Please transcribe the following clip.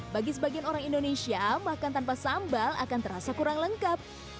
bagi sebagian orang indonesia makan tanpa sambal akan terasa kurang lengkap